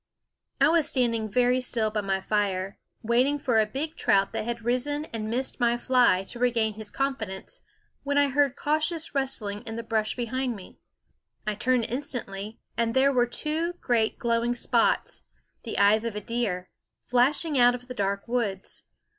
I was standing very still by my fire, wait ing for a big trout that had risen twice to regain his confidence, when I heard cautious rustlings in the brush behind me. I turned instantly, and there were two great glowing spots, the eyes of a deer, flashing out of the dark woods.